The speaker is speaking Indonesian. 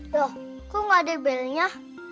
loh kok gak ada belinya